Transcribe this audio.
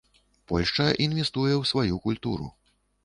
Польшча інвестуе ў сваю культуру.